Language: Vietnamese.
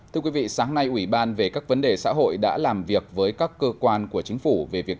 thưa quý vị sáng nay ủy ban về các vấn đề xã hội đã làm việc với các cơ quan của chính phủ về việc